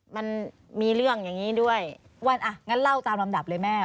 มันมีเรื่องอย่างนี้ด้วยว่าอ่ะงั้นเล่าตามลำดับเลยแม่